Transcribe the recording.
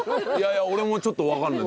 いや俺もちょっとわからない。